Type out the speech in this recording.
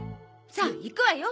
さあ行くわよ。